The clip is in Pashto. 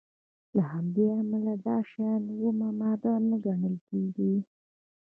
له همدې امله دا شیان اومه ماده نه ګڼل کیږي.